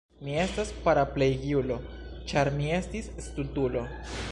Mi estas paraplegiulo, ĉar mi estis stultulo.